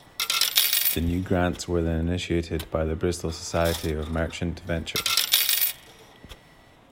The new grants were then initiated by the Bristol Society of Merchant Ventures.